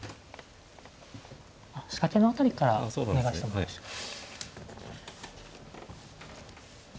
仕掛けの辺りからお願いしてもいいでしょうか。